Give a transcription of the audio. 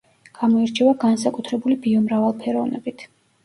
გამოირჩევა განსაკუთრებული ბიომრავალფეროვნებით.